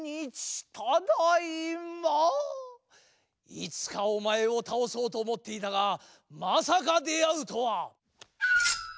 いつかおまえをたおそうとおもっていたがまさか出会うとは！